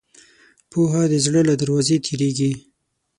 پوهه د زړه له دروازې تېرېږي.